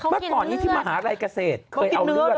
เมื่อก่อนนี้ที่มหาลัยเกษตรเคยเอาเลือด